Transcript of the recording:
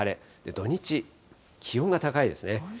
土日、気温が高いですね。